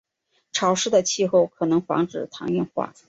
潮湿的气候可能防止糖硬化。